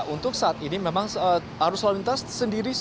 untuk saat ini memang arus lalu lintas sendiri